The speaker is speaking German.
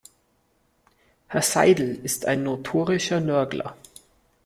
Herr Seidel ist ein notorischer Nörgler.